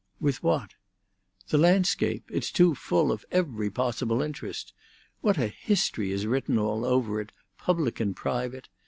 "With what?" "The landscape. It's too full of every possible interest. What a history is written all over it, public and private!